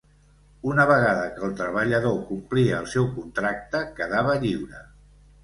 Una vegada que el treballador complia el seu contracte, quedava lliure.